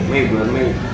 mei bulan mei